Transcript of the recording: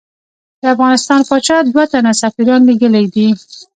د افغانستان پاچا دوه تنه سفیران لېږلی دي.